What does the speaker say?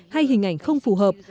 hay hình ảnh không phù hợp